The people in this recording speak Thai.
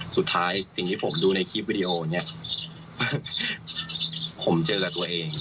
สุดท้ายสิ่งที่ผมดูในคลิปเนี้ยผมเจอกับตัวเอง